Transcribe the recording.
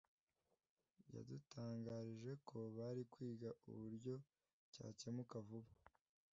yadutangarije ko bari kwiga uburyo cyakemuka vuba